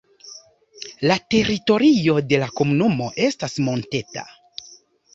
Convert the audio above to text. La teritorio de la komunumo estas monteta.